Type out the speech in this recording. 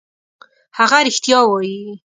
هغه رښتیا وايي.